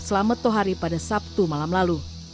selamat tohari pada sabtu malam lalu